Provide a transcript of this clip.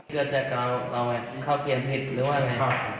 เกือบแจกราวเราเข้าเทียมผิดหรือว่าไง